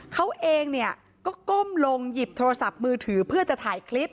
เขาเองเนี่ยก็ก้มลงหยิบโทรศัพท์มือถือเพื่อจะถ่ายคลิป